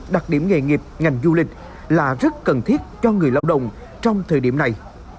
đặc điểm nghề nghiệp ngành du lịch là rất cần thiết cho người lao động trong thời điểm này